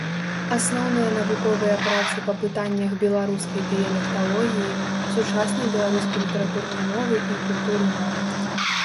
Асноўныя навуковыя працы па пытаннях беларускай дыялекталогіі, сучаснай беларускай літаратурнай мовы і культуры мовы.